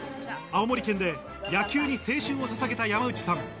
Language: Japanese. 青森県で野球に青春をささげた山内さん。